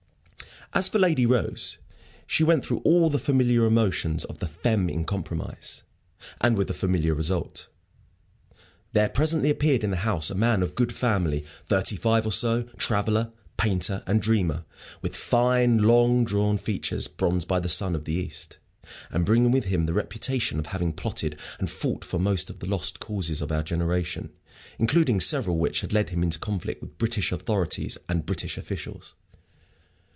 As for Lady Rose, she went through all the familiar emotions of the femme incomprise. And with the familiar result. There presently appeared in the house a man of good family, thirty five or so, traveller, painter, and dreamer, with fine, long drawn features bronzed by the sun of the East, and bringing with him the reputation of having plotted and fought for most of the "lost causes" of our generation, including several which had led him into conflict with British authorities and British officials.